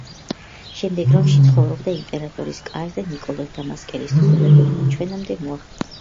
შემდეგ რომში ცხოვრობდა იმპერატორის კარზე, ნიკოლოზ დამასკელის თხზულებებმა ჩვენამდე მოაღწია ფრაგმენტების სახით.